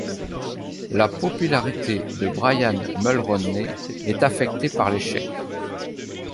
La popularité de Brian Mulroney est affectée par l'échec.